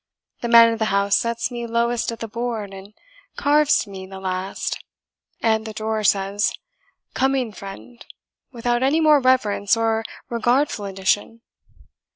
The man of the house sets me lowest at the board, and carves to me the last; and the drawer says, 'Coming, friend,' without any more reverence or regardful addition.